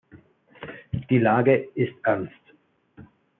Die Lage ist ernst.